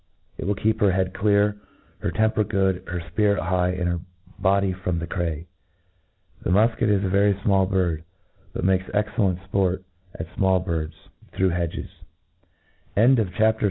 It will keep her head clear, her temper good, her fpirit high, and her body from the cray. The mulket is a very fmall bird ;< but makes excellent fport at fmalTbirds through hedges.